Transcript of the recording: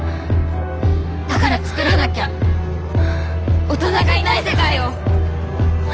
だから作らなきゃ大人がいない世界を。